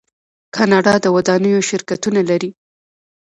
کاناډا د ودانیو شرکتونه لري.